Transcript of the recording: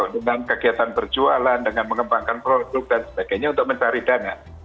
dengan kegiatan berjualan dengan mengembangkan produk dan sebagainya untuk mencari dana